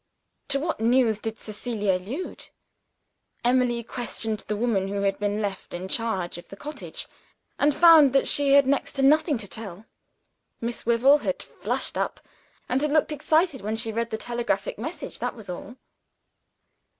To what news did Cecilia allude? Emily questioned the woman who had been left in charge of the cottage, and found that she had next to nothing to tell. Miss Wyvil had flushed up, and had looked excited, when she read the telegraphic message that was all.